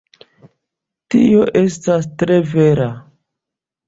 Tio estas tre vera.